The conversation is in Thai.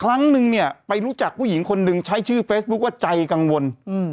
ครั้งนึงเนี่ยไปรู้จักผู้หญิงคนหนึ่งใช้ชื่อเฟซบุ๊คว่าใจกังวล